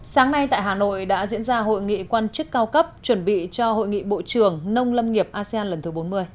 sáng nay tại hà nội đã diễn ra hội nghị quan chức cao cấp chuẩn bị cho hội nghị bộ trưởng nông lâm nghiệp asean lần thứ bốn mươi